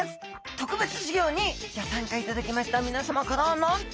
特別授業にギョ参加いただきましたみなさまからなんと！